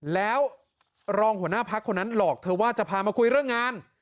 แล้วรองหัวหน้าพักคนนั้นหลอกเธอว่าจะพามาคุยเรื่องงาน